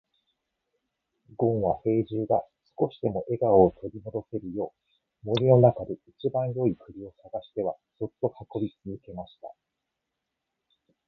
ごんは兵十が少しでも笑顔を取り戻せるよう、森の中で一番よい栗を探してはそっと運び続けました。